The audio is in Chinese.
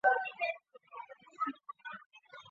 八届世界健美先生。